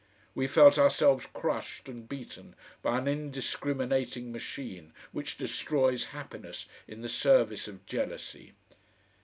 We felt ourselves crushed and beaten by an indiscriminating machine which destroys happiness in the service of jealousy.